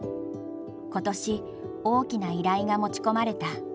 今年大きな依頼が持ち込まれた。